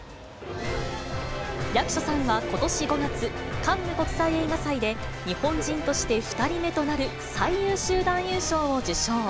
役所さんはことし５月、カンヌ国際映画祭で、日本人として２人目となる最優秀男優賞を受賞。